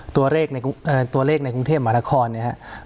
ตัวเลขในกรุงเทพมันธคอนเนี่ยครับ